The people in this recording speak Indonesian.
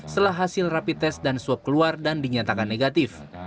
setelah hasil rapi tes dan swab keluar dan dinyatakan negatif